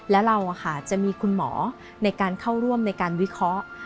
และเราจะมีคุณหมอในการเข้าร่วมในการวิเคราะห์